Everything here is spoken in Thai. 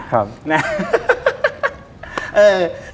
ครับ